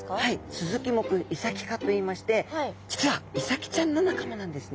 スズキ目イサキ科といいまして実はイサキちゃんの仲間なんですね。